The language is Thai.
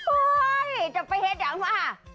โอ๊ยจะไปเฮดหาว่า